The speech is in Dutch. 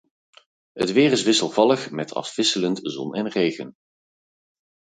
Het weer is wisselvallig, met afwisselend zon en regen.